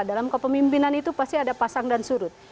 dalam kepemimpinan itu pasti ada pasang dan surut